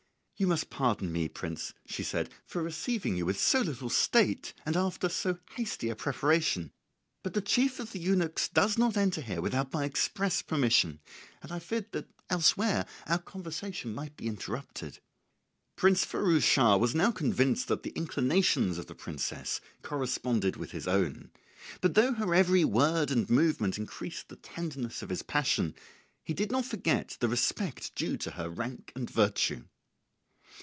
"You must pardon me, prince," she said, "for receiving you with so little state, and after so hasty a preparation; but the chief of the eunuchs does not enter here without my express permission, and I feared that elsewhere our conversation might be interrupted." Prince Firouz Schah was now convinced that the inclinations of the princess corresponded with his own; but though her every word and movement increased the tenderness of his passion, he did not forget the respect due to her rank and virtue.